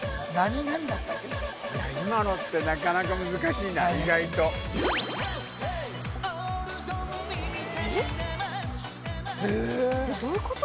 今のってなかなか難しいな意外とへえどういうこと？